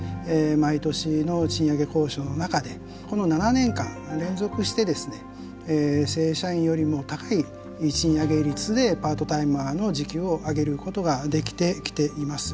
毎年の賃上げ交渉の中でこの７年間連続してですね正社員よりも高い賃上げ率でパートタイマーの時給を上げることができてきています。